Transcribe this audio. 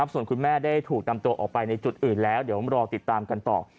ส่วนคุณแม่ได้ถูกนำตัวออกไปในจุดอื่นแล้วเดี๋ยวรอติดตามกันต่อ